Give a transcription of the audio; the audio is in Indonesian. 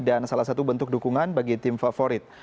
dan salah satu bentuk dukungan bagi tim favorit